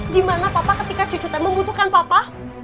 dimana papa ketika cucu teh membutuhkan papa